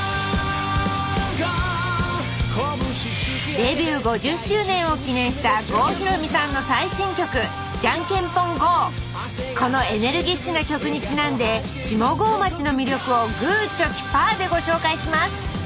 デビュー５０周年を記念した郷ひろみさんの最新曲このエネルギッシュな曲にちなんで下郷町の魅力をグーチョキパーでご紹介します。